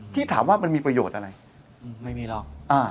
ที่ถามว่ามันมีประโยชน์อะไรไม่มีหรอก